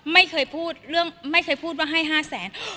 ไม่เคยพูดว่าให้๕แสน